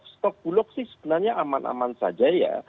stok bulog sih sebenarnya aman aman saja ya